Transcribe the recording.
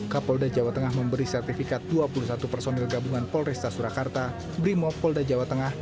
kapolda jawa tengah memberi sertifikat dua puluh satu personil gabungan polresta surakarta brimopolda jawa tengah